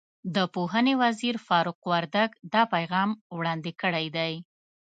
د پوهنې وزیر فاروق وردګ دا پیغام وړاندې کړی دی.